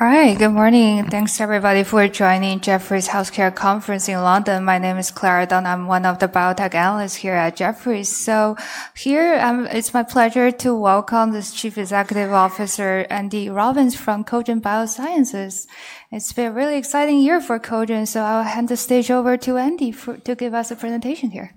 All right, good morning. Thanks, everybody, for joining Jefferies Healthcare Conference in London. My name is Clara, and I'm one of the biotech analysts here at Jefferies. Here, it's my pleasure to welcome the Chief Executive Officer, Andy Robbins, from Cogent Biosciences. It's been a really exciting year for Cogent, so I'll hand the stage over to Andy to give us a presentation here.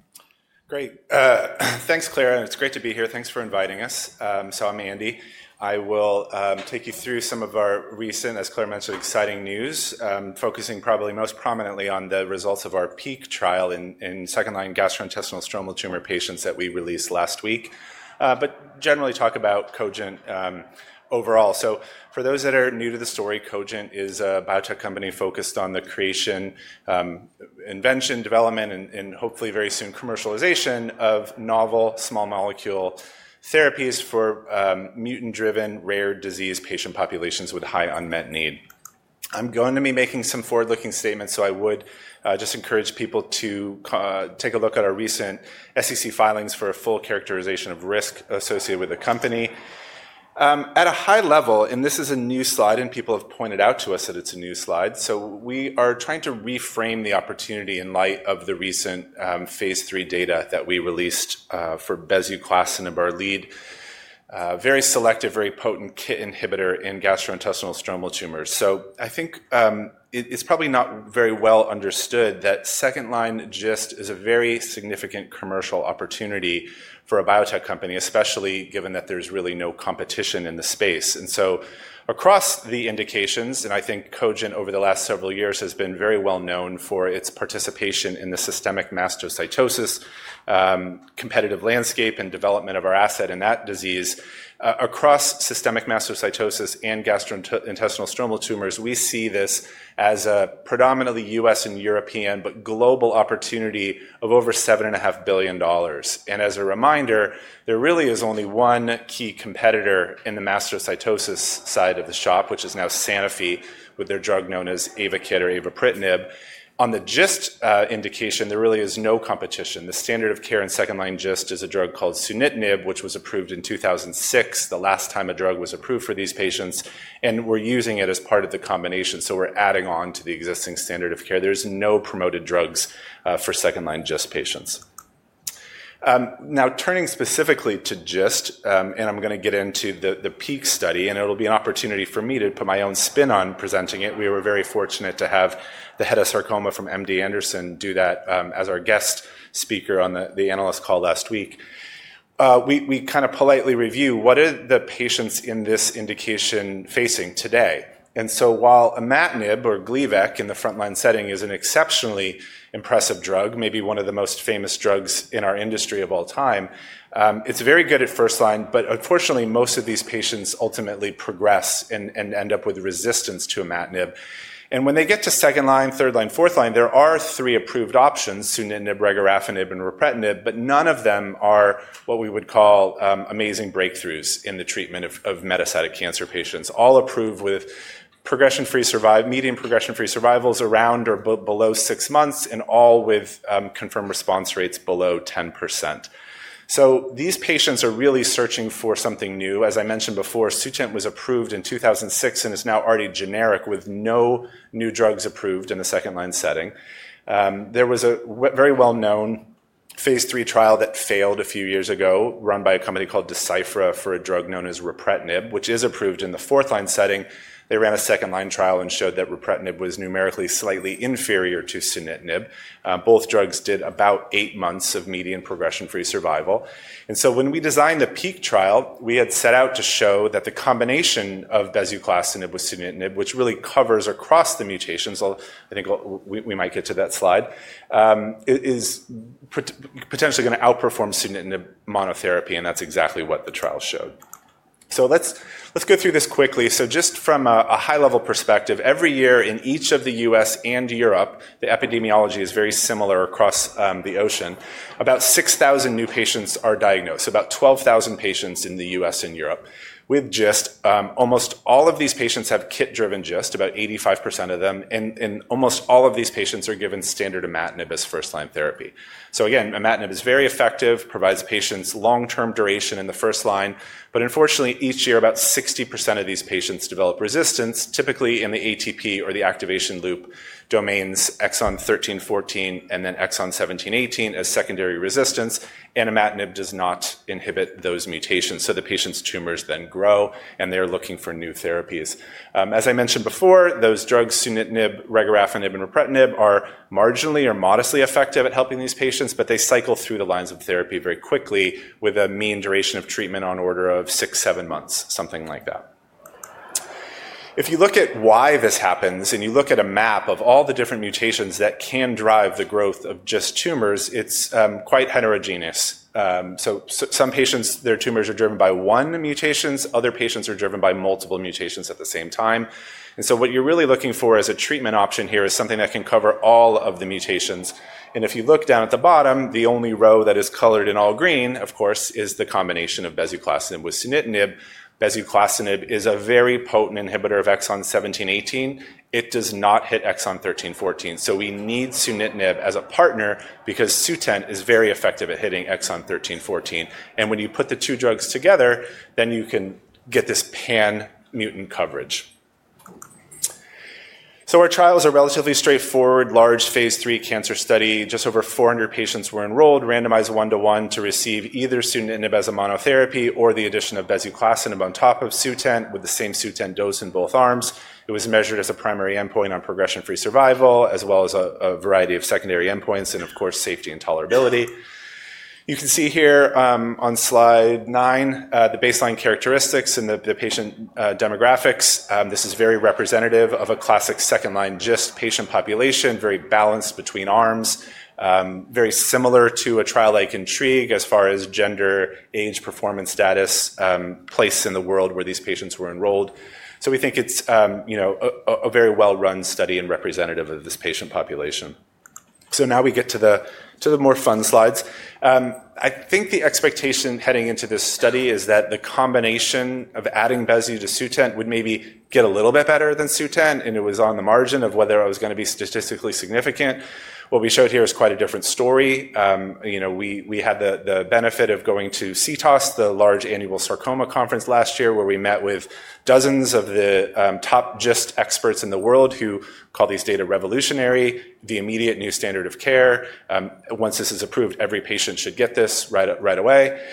Great. Thanks, Clara. It's great to be here. Thanks for inviting us. I'm Andy. I will take you through some of our recent, as Clara mentioned, exciting news, focusing probably most prominently on the results of our PEAK trial in second-line gastrointestinal stromal tumor patients that we released last week, but generally talk about Cogent overall. For those that are new to the story, Cogent is a biotech company focused on the creation, invention, development, and hopefully very soon commercialization of novel small-molecule therapies for mutant-driven, rare disease patient populations with high unmet need. I'm going to be making some forward-looking statements, so I would just encourage people to take a look at our recent SEC filings for a full characterization of risk associated with the company. At a high level, and this is a new slide, people have pointed out to us that it's a new slide, so we are trying to reframe the opportunity in light of the recent phase III data that we released for bezuclastinib, our lead, very selective, very potent KIT inhibitor in gastrointestinal stromal tumors. I think it's probably not very well understood that second-line GIST is a very significant commercial opportunity for a biotech company, especially given that there's really no competition in the space. Across the indications, and I think Cogent over the last several years has been very well known for its participation in the systemic mastocytosis competitive landscape and development of our asset in that disease. Across systemic mastocytosis and gastrointestinal stromal tumors, we see this as a predominantly U.S. and European but global opportunity of over $7.5 billion. As a reminder, there really is only one key competitor in the mastocytosis side of the shop, which is now Sanofi with their drug known as avapritinib. On the GIST indication, there really is no competition. The standard of care in second-line GIST is a drug called sSunitinib, which was approved in 2006, the last time a drug was approved for these patients, and we're using it as part of the combination. We're adding on to the existing standard of care. There's no promoted drugs for second-line GIST patients. Now, turning specifically to GIST, and I'm going to get into the PEAK study, and it'll be an opportunity for me to put my own spin on presenting it. We were very fortunate to have the head of sarcoma from MD Anderson do that as our guest speaker on the analyst call last week. We kind of politely review what are the patients in this indication facing today. While imatinib or Gleevec in the front-line setting is an exceptionally impressive drug, maybe one of the most famous drugs in our industry of all time, it's very good at first line, but unfortunately, most of these patients ultimately progress and end up with resistance to imatinib. When they get to second line, third line, fourth line, there are three approved options: sunitinib, regorafenib, and ripretinib, but none of them are what we would call amazing breakthroughs in the treatment of metastatic cancer patients. All approved with progression-free survival, median progression-free survivals around or below six months, and all with confirmed response rates below 10%. These patients are really searching for something new. As I mentioned before, Sutent was approved in 2006 and is now already generic with no new drugs approved in the second-line setting. There was a very well-known phase III trial that failed a few years ago run by a company called Deciphera for a drug known as ripretinib, which is approved in the fourth-line setting. They ran a second-line trial and showed that ripretinib was numerically slightly inferior to sunitinib. Both drugs did about eight months of median progression-free survival. When we designed the PEAK trial, we had set out to show that the combination of bezuclastinib with sunitinib, which really covers across the mutations, I think we might get to that slide, is potentially going to outperform sunitinib monotherapy, and that's exactly what the trial showed. Let's go through this quickly. Just from a high-level perspective, every year in each of the U.S. In Europe, the epidemiology is very similar across the ocean. About 6,000 new patients are diagnosed, about 12,000 patients in the U.S. and Europe with GIST. Almost all of these patients have KIT-driven GIST, about 85% of them, and almost all of these patients are given standard imatinib as first-line therapy. Imatinib is very effective, provides patients long-term duration in the first line, but unfortunately, each year about 60% of these patients develop resistance, typically in the ATP or the activation loop domains exon 13, 14, and then exon 17, 18 as secondary resistance, and imatinib does not inhibit those mutations. The patient's tumors then grow, and they're looking for new therapies. As I mentioned before, those drugs, sunitinib, regorafenib, and ripretinib, are marginally or modestly effective at helping these patients, but they cycle through the lines of therapy very quickly with a mean duration of treatment on order of six, seven months, something like that. If you look at why this happens and you look at a map of all the different mutations that can drive the growth of GIST tumors, it's quite heterogeneous. Some patients, their tumors are driven by one mutation. Other patients are driven by multiple mutations at the same time. What you're really looking for as a treatment option here is something that can cover all of the mutations. If you look down at the bottom, the only row that is colored in all green, of course, is the combination of bezuclastinib with sunitinib. Bezuclastinib is a very potent inhibitor of exon 17, 18. It does not hit exon 13, 14. We need sunitinib as a partner because Sutent is very effective at hitting exon 13, 14. When you put the two drugs together, then you can get this pan-mutant coverage. Our trials are relatively straightforward, large phase III cancer study. Just over 400 patients were enrolled, randomized one-to-one to receive either sunitinib as a monotherapy or the addition of bezuclastinib on top of Sutent with the same Sutent dose in both arms. It was measured as a primary endpoint on progression-free survival as well as a variety of secondary endpoints and, of course, safety and tolerability. You can see here on slide nine, the baseline characteristics and the patient demographics. This is very representative of a classic second-line GIST patient population, very balanced between arms, very similar to a trial like INTRIGUE as far as gender, age, performance, status, place in the world where these patients were enrolled. We think it's a very well-run study and representative of this patient population. Now we get to the more fun slides. I think the expectation heading into this study is that the combination of adding Bezu to Sutent would maybe get a little bit better than Sutent, and it was on the margin of whether it was going to be statistically significant. What we showed here is quite a different story. We had the benefit of going to CTOS, the large annual sarcoma conference last year, where we met with dozens of the top GIST experts in the world who called these data revolutionary, the immediate new standard of care. Once this is approved, every patient should get this right away.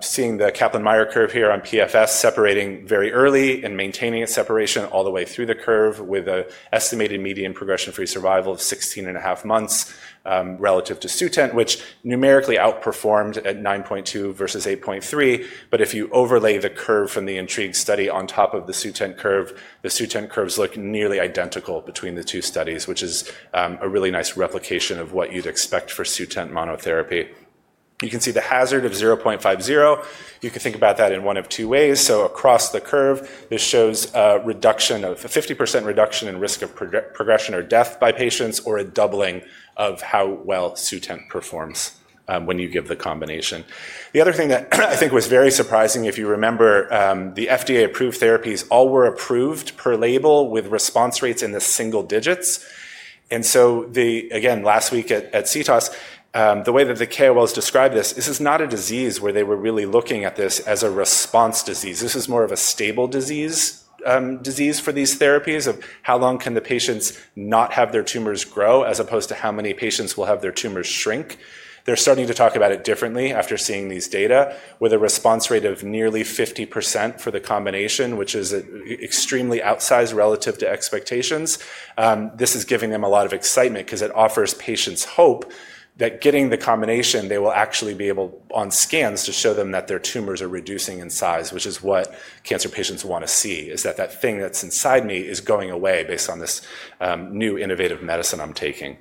Seeing the Kaplan-Meier curve here on PFS separating very early and maintaining a separation all the way through the curve with an estimated median progression-free survival of 16.5 months relative to Sutent, which numerically outperformed at 9.2 versus 8.3. If you overlay the curve from the INTRIGUE study on top of the Sutent curve, the Sutent curves look nearly identical between the two studies, which is a really nice replication of what you'd expect for Sutent monotherapy. You can see the hazard of 0.50. You can think about that in one of two ways. Across the curve, this shows a 50% reduction in risk of progression or death by patients or a doubling of how well Sutent performs when you give the combination. The other thing that I think was very surprising, if you remember, the FDA-approved therapies all were approved per label with response rates in the single digits. Last week at CTOS, the way that the KOLs described this, this is not a disease where they were really looking at this as a response disease. This is more of a stable disease for these therapies of how long can the patients not have their tumors grow as opposed to how many patients will have their tumors shrink. They're starting to talk about it differently after seeing these data with a response rate of nearly 50% for the combination, which is extremely outsized relative to expectations. This is giving them a lot of excitement because it offers patients hope that getting the combination, they will actually be able on scans to show them that their tumors are reducing in size, which is what cancer patients want to see, is that that thing that's inside me is going away based on this new innovative medicine I'm taking.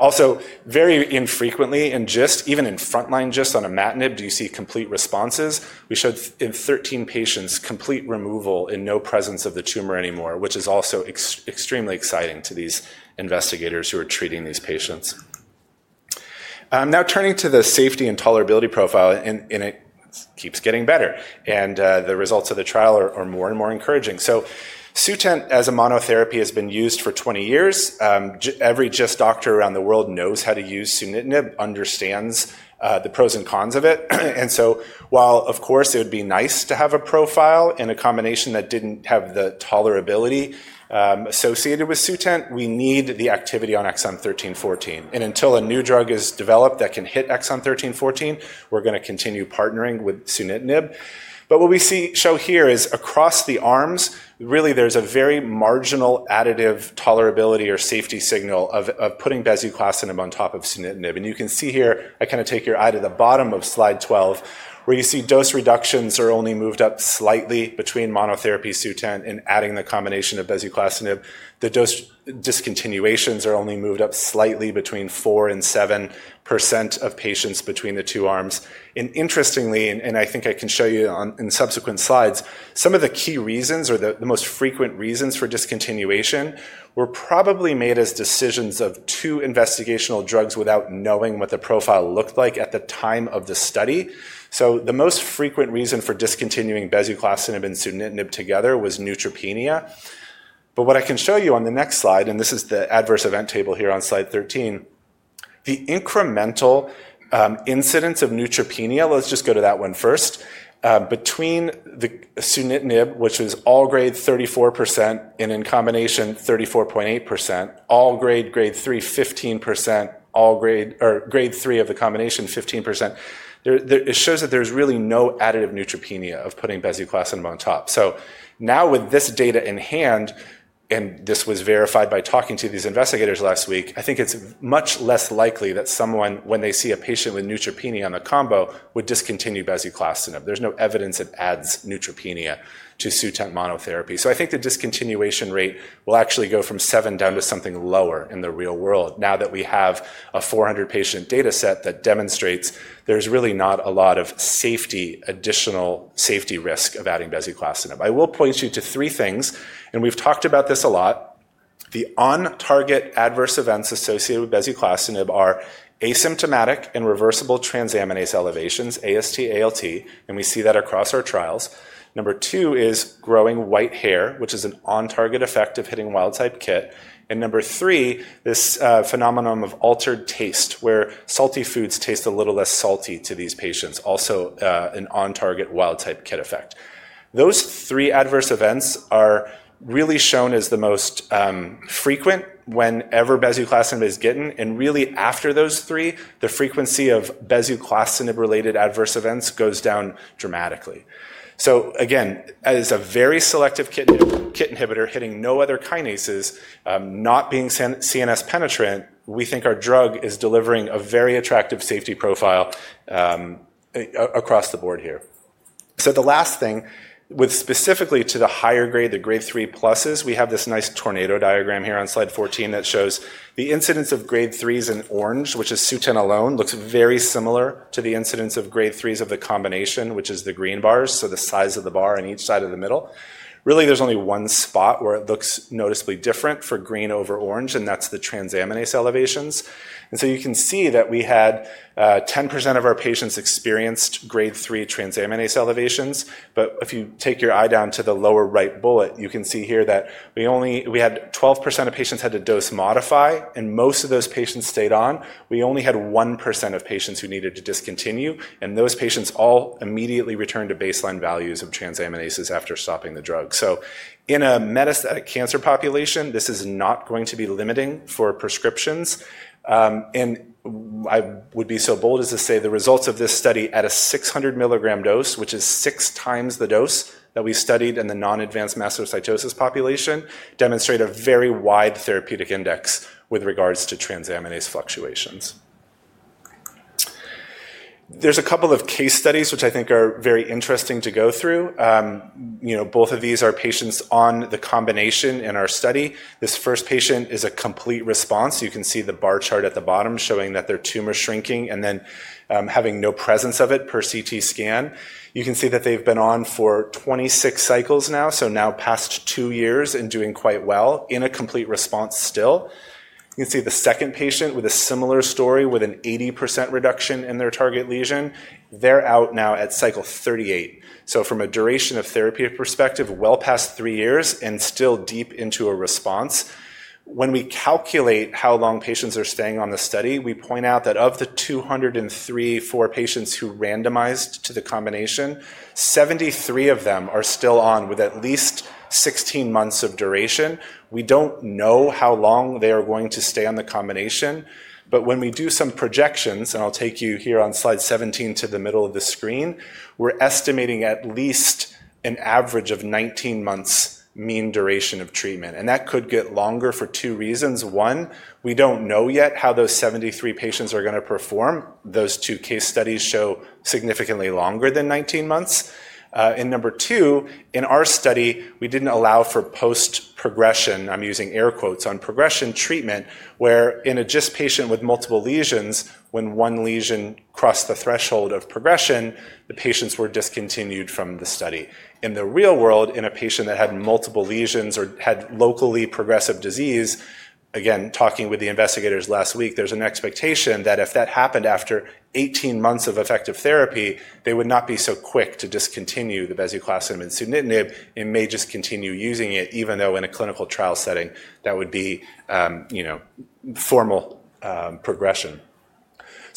Also, very infrequently in GIST, even in front-line GIST on imatinib, do you see complete responses. We showed in 13 patients complete removal and no presence of the tumor anymore, which is also extremely exciting to these investigators who are treating these patients. Now turning to the safety and tolerability profile, and it keeps getting better, and the results of the trial are more and more encouraging. Sutent as a monotherapy has been used for 20 years. Every GIST doctor around the world knows how to use sunitinib, understands the pros and cons of it. Of course, it would be nice to have a profile in a combination that did not have the tolerability associated with Sutent. We need the activity on exon 13, 14. Until a new drug is developed that can hit exon 13, 14, we are going to continue partnering with sunitinib. What we show here is across the arms, really there is a very marginal additive tolerability or safety signal of putting bezuclastinib on top of sunitinib. You can see here, I kind of take your eye to the bottom of slide 12, where you see dose reductions are only moved up slightly between monotherapy Sutent and adding the combination of bezuclastinib. The dose discontinuations are only moved up slightly between 4% and 7% of patients between the two arms. Interestingly, and I think I can show you in subsequent slides, some of the key reasons or the most frequent reasons for discontinuation were probably made as decisions of two investigational drugs without knowing what the profile looked like at the time of the study. The most frequent reason for discontinuing bezuclastinib and sunitinib together was neutropenia. What I can show you on the next slide, and this is the adverse event table here on slide 13, the incremental incidence of neutropenia, let's just go to that one first, between the sunitinib, which was all grade 34% and in combination 34.8%, all grade grade 3, 15%, all grade or grade 3 of the combination 15%. It shows that there's really no additive neutropenia of putting bezuclastinib on top. Now with this data in hand, and this was verified by talking to these investigators last week, I think it's much less likely that someone when they see a patient with neutropenia on the combo would discontinue bezuclastinib. There's no evidence it adds neutropenia to Sutent monotherapy. I think the discontinuation rate will actually go from seven down to something lower in the real world now that we have a 400-patient data set that demonstrates there's really not a lot of additional safety risk of adding bezuclastinib. I will point you to three things, and we've talked about this a lot. The on-target adverse events associated with bezuclastinib are asymptomatic and reversible transaminase elevations, AST, ALT, and we see that across our trials. Number two is growing white hair, which is an on-target effect of hitting wild-type KIT. Number three, this phenomenon of altered taste where salty foods taste a little less salty to these patients, also an on-target wild-type KIT effect. Those three adverse events are really shown as the most frequent whenever bezuclastinib is given, and really after those three, the frequency of bezuclastinib-related adverse events goes down dramatically. Again, as a very selective KIT inhibitor hitting no other kinases, not being CNS penetrant, we think our drug is delivering a very attractive safety profile across the board here. The last thing, with specifically to the higher grade, the grade 3 pluses, we have this nice tornado diagram here on slide 14 that shows the incidence of grade 3s in orange, which is Sutent alone, looks very similar to the incidence of grade 3s of the combination, which is the green bars, so the size of the bar on each side of the middle. Really, there's only one spot where it looks noticeably different for green over orange, and that's the transaminase elevations. You can see that we had 10% of our patients experienced grade 3 transaminase elevations. If you take your eye down to the lower right bullet, you can see here that we had 12% of patients had to dose modify, and most of those patients stayed on. We only had 1% of patients who needed to discontinue, and those patients all immediately returned to baseline values of transaminases after stopping the drug. In a metastatic cancer population, this is not going to be limiting for prescriptions. I would be so bold as to say the results of this study at a 600 mg dose, which is 6x the dose that we studied in the non-advanced mastocytosis population, demonstrate a very wide therapeutic index with regards to transaminase fluctuations. There are a couple of case studies which I think are very interesting to go through. Both of these are patients on the combination in our study. This first patient is a complete response. You can see the bar chart at the bottom showing that their tumor shrinking and then having no presence of it per CT scan. You can see that they've been on for 26 cycles now, so now past two years and doing quite well in a complete response still. You can see the second patient with a similar story with an 80% reduction in their target lesion. They're out now at cycle 38. From a duration of therapy perspective, well past three years and still deep into a response. When we calculate how long patients are staying on the study, we point out that of the 2,034 patients who randomized to the combination, 73 of them are still on with at least 16 months of duration. We don't know how long they are going to stay on the combination, but when we do some projections, and I'll take you here on slide 17 to the middle of the screen, we're estimating at least an average of 19 months mean duration of treatment. That could get longer for two reasons. One, we do not know yet how those 73 patients are going to perform. Those two case studies show significantly longer than 19 months. Number two, in our study, we did not allow for post-progression, I am using air quotes, on progression treatment, where in a GIST patient with multiple lesions, when one lesion crossed the threshold of progression, the patients were discontinued from the study. In the real world, in a patient that had multiple lesions or had locally progressive disease, again, talking with the investigators last week, there is an expectation that if that happened after 18 months of effective therapy, they would not be so quick to discontinue the bezuclastinib and sunitinib and may just continue using it, even though in a clinical trial setting, that would be formal progression.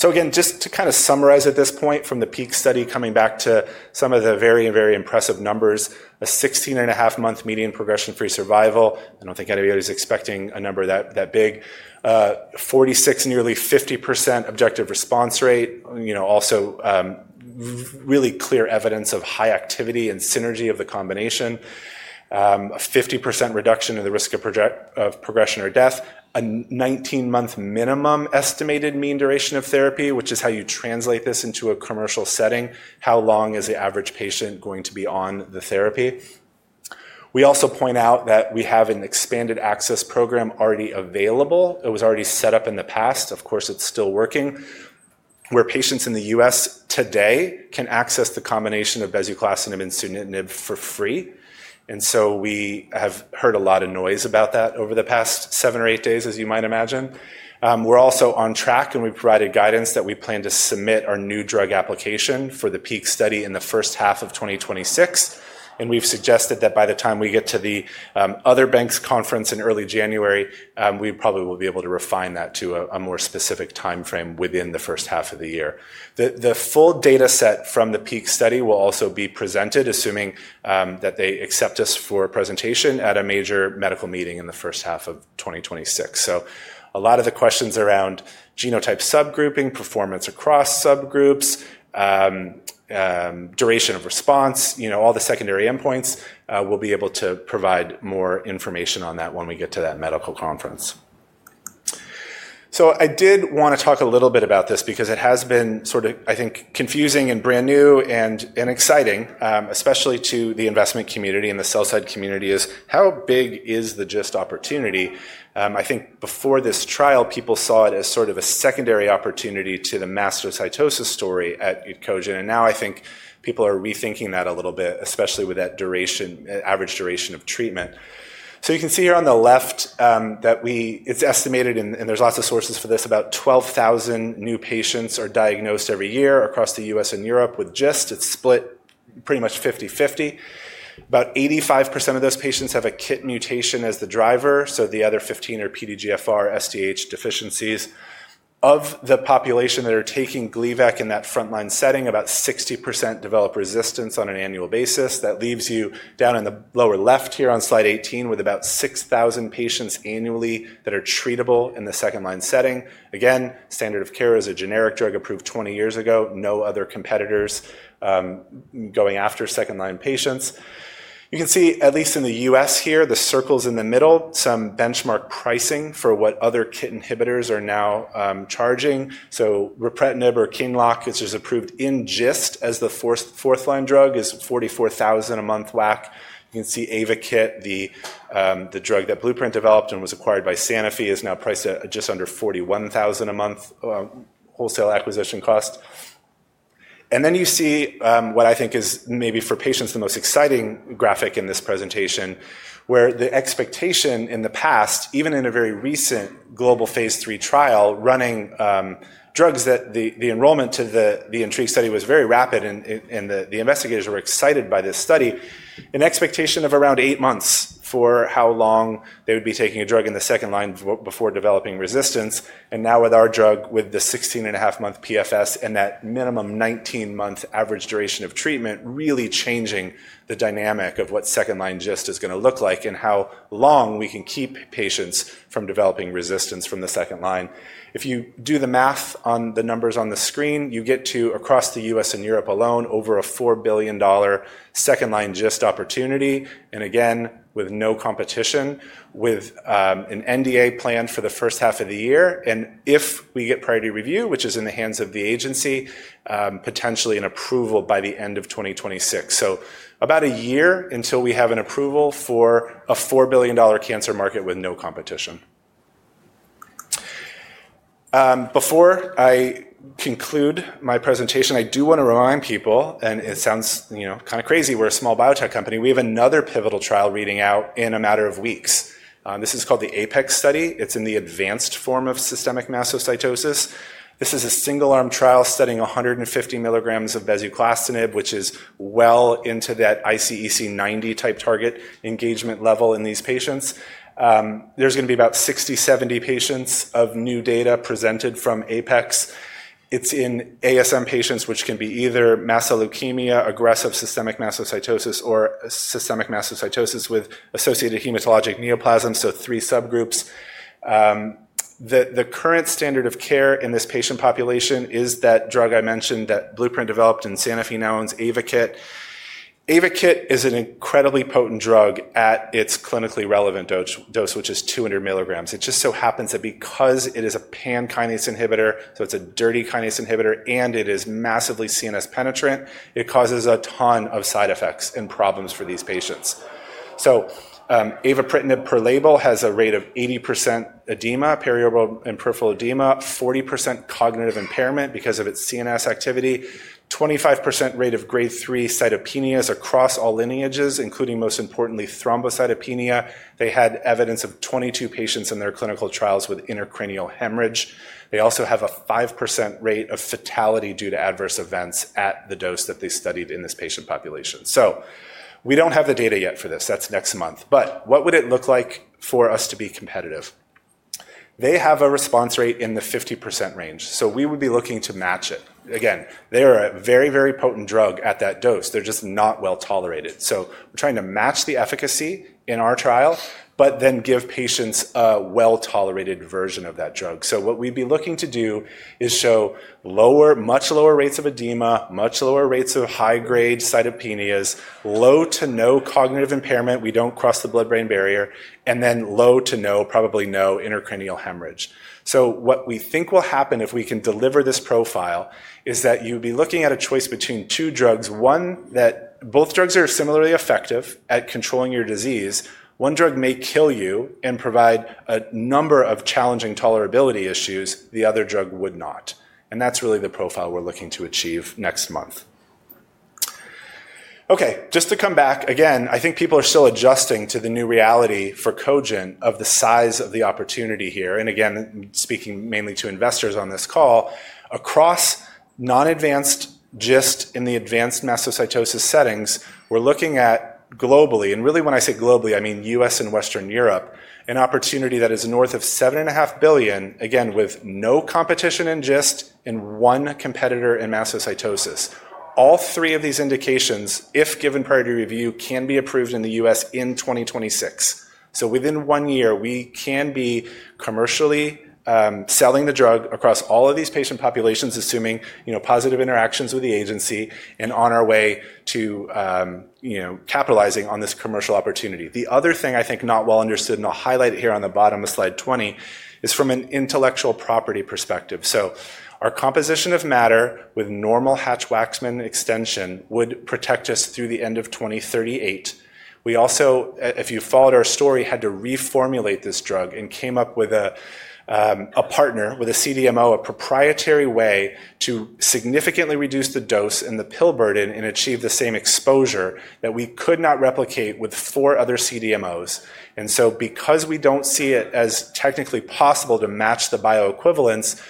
Again, just to kind of summarize at this point from the PEAK study coming back to some of the very, very impressive numbers, a 16.5-month median progression-free survival. I do not think anybody is expecting a number that big. 46%, nearly 50% objective response rate, also really clear evidence of high activity and synergy of the combination, a 50% reduction in the risk of progression or death, a 19-month minimum estimated mean duration of therapy, which is how you translate this into a commercial setting, how long is the average patient going to be on the therapy. We also point out that we have an expanded access program already available. It was already set up in the past. Of course, it is still working, where patients in the U.S. today can access the combination of bezuclastinib and sunitinib for free. We have heard a lot of noise about that over the past seven or eight days, as you might imagine. We're also on track, and we provided guidance that we plan to submit our new drug application for the PEAK study in the first half of 2026. We've suggested that by the time we get to the other bank's conference in early January, we probably will be able to refine that to a more specific timeframe within the first half of the year. The full data set from the PEAK study will also be presented, assuming that they accept us for presentation at a major medical meeting in the first half of 2026. A lot of the questions around genotype subgrouping, performance across subgroups, duration of response, all the secondary endpoints, we'll be able to provide more information on that when we get to that medical conference. I did want to talk a little bit about this because it has been sort of, I think, confusing and brand new and exciting, especially to the investment community and the sell-side community, is how big is the GIST opportunity. I think before this trial, people saw it as sort of a secondary opportunity to the mastocytosis story at Cogent. Now I think people are rethinking that a little bit, especially with that duration, average duration of treatment. You can see here on the left that it's estimated, and there's lots of sources for this, about 12,000 new patients are diagnosed every year across the U.S. and Europe with GIST. It's split pretty much 50/50. About 85% of those patients have a KIT mutation as the driver, so the other 15% are PDGFR, SDH deficiencies. Of the population that are taking Gleevec in that front-line setting, about 60% develop resistance on an annual basis. That leaves you down in the lower left here on slide 18 with about 6,000 patients annually that are treatable in the second-line setting. Again, standard of care is a generic drug approved 20 years ago, no other competitors going after second-line patients. You can see, at least in the U.S. here, the circles in the middle, some benchmark pricing for what other KIT inhibitors are now charging. Repretinib or Qinlock, which is approved in GIST as the fourth-line drug, is $44,000 a month whack. You can see Ayvakit, the drug that Blueprint developed and was acquired by Sanofi, is now priced at just under $41,000 a month wholesale acquisition cost. You see what I think is maybe for patients the most exciting graphic in this presentation, where the expectation in the past, even in a very recent global phase III trial running drugs that the enrollment to the INTRIGUE study was very rapid, and the investigators were excited by this study, an expectation of around eight months for how long they would be taking a drug in the second line before developing resistance. Now with our drug with the 16.5-month PFS and that minimum 19-month average duration of treatment really changing the dynamic of what second-line GIST is going to look like and how long we can keep patients from developing resistance from the second line. If you do the math on the numbers on the screen, you get to, across the U.S. and Europe alone, over a $4 billion second-line GIST opportunity, and again, with no competition, with an NDA planned for the first half of the year. If we get priority review, which is in the hands of the agency, potentially an approval by the end of 2026. About a year until we have an approval for a $4 billion cancer market with no competition. Before I conclude my presentation, I do want to remind people, and it sounds kind of crazy, we're a small biotech company, we have another pivotal trial reading out in a matter of weeks. This is called the APEX study. It's in the advanced form of systemic mastocytosis. This is a single-arm trial studying 150 mg of bezuclastinib, which is well into that IC90-type target engagement level in these patients. There's going to be about 60-70 patients of new data presented from APEX. It's in ASM patients, which can be either mastocytosis, aggressive systemic mastocytosis, or systemic mastocytosis with associated hematologic neoplasms, so three subgroups. The current standard of care in this patient population is that drug I mentioned that Blueprint developed and Sanofi now owns, avapritinib. Avapritinib is an incredibly potent drug at its clinically relevant dose, which is 200 mg. It just so happens that because it is a pan-kinase inhibitor, so it's a dirty kinase inhibitor, and it is massively CNS penetrant, it causes a ton of side effects and problems for these patients. Avapritinib per label has a rate of 80% edema, periorbital and peripheral edema, 40% cognitive impairment because of its CNS activity, 25% rate of grade 3 cytopenias across all lineages, including most importantly, thrombocytopenia. They had evidence of 22 patients in their clinical trials with intracranial hemorrhage. They also have a 5% rate of fatality due to adverse events at the dose that they studied in this patient population. We don't have the data yet for this. That's next month. What would it look like for us to be competitive? They have a response rate in the 50% range, so we would be looking to match it. Again, they are a very, very potent drug at that dose. They're just not well tolerated. We're trying to match the efficacy in our trial, but then give patients a well-tolerated version of that drug. What we'd be looking to do is show lower, much lower rates of edema, much lower rates of high-grade cytopenias, low to no cognitive impairment, we do not cross the blood-brain barrier, and then low to no, probably no intracranial hemorrhage. What we think will happen if we can deliver this profile is that you'd be looking at a choice between two drugs. Both drugs are similarly effective at controlling your disease. One drug may kill you and provide a number of challenging tolerability issues. The other drug would not. That is really the profile we're looking to achieve next month. Okay, just to come back, again, I think people are still adjusting to the new reality for Cogent of the size of the opportunity here. Again, speaking mainly to investors on this call, across non-advanced GIST in the advanced mastocytosis settings, we're looking at globally, and really when I say globally, I mean U.S. and Western Europe, an opportunity that is north of $7.5 billion, again, with no competition in GIST and one competitor in mastocytosis. All three of these indications, if given priority review, can be approved in the U.S. in 2026. Within one year, we can be commercially selling the drug across all of these patient populations, assuming positive interactions with the agency and on our way to capitalizing on this commercial opportunity. The other thing I think not well understood, and I'll highlight it here on the bottom of slide 20, is from an intellectual property perspective. Our composition of matter with normal Hatch-Waxman extension would protect us through the end of 2038. We also, if you followed our story, had to reformulate this drug and came up with a partner with a CDMO, a proprietary way to significantly reduce the dose and the pill burden and achieve the same exposure that we could not replicate with four other CDMOs. Because we don't see it as technically possible to match the bioequivalence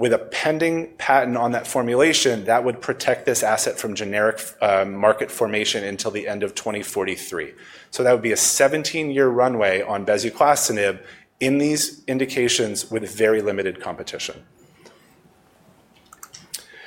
with a pending patent on that formulation, that would protect this asset from generic market formation until the end of 2043. That would be a 17-year runway on bezuclastinib in these indications with very limited competition.